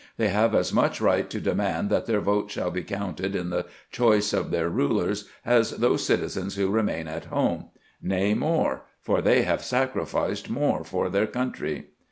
They have as much right to demand that their votes shall be counted in the choice of their rulers as those citizens who remain at home —nay, more ; for they have sacrificed more for their country.